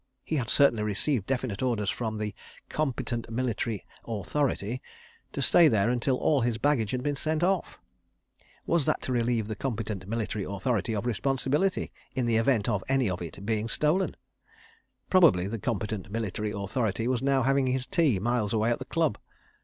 He had certainly received definite orders from the "competent military authority" to stay there until all his baggage had been sent off. Was that to relieve the competent military authority of responsibility in the event of any of it being stolen? ... Probably the competent military authority was now having his tea, miles away at the Club.